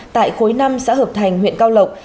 tại khối năm xã hợp thành huyện cao lộc